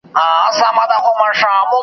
قرض د پلار هم بد دی .